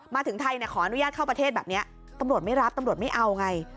มาถึงไทยขออนุญาตเข้าประเทศแบบนี้ตำรวจไม่รับตำรวจไม่เอาไง